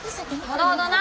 ほどほどな。